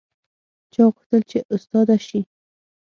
چا غوښتل چې استاده شي